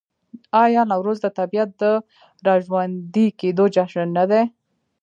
آیا نوروز د طبیعت د راژوندي کیدو جشن نه دی؟